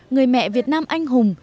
người mẹ việt nam anh hùng